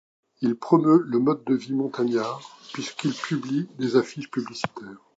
Il promeut le mode de vie montagnard, puisqu’il publie des affiches publicitaires.